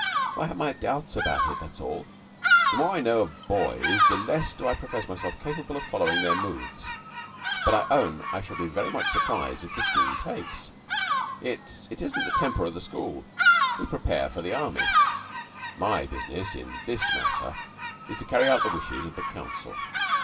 "I have my doubts about it that's all. The more I know of boys the less do I profess myself capable of following their moods; but I own I shall be very much surprised if the scheme takes. It it isn't the temper of the school. We prepare for the Army." "My business in this matter is to carry out the wishes of the Council.